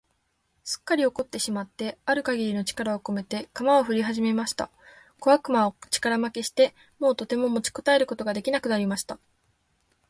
すっかり怒ってしまってある限りの力をこめて、鎌をふりはじました。小悪魔は力負けして、もうとても持ちこたえることが出来なくなりました。